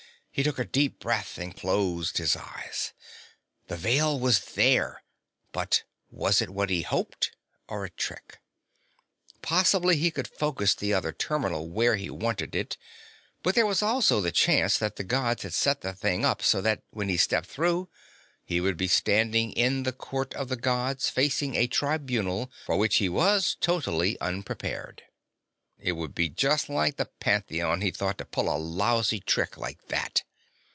He took a deep breath and closed his eyes. The Veil was there but was it what he hoped, or a trick? Possibly he could focus the other terminal where he wanted it, but there was also the chance that the Gods had set the thing up so that, when he stepped through, he would be standing in the Court of the Gods facing a tribunal for which he was totally unprepared. It would be just like the Pantheon, he thought, to pull a lousy trick like that.